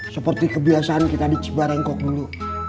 seperti kebiasaan kita di cibarengkok dulu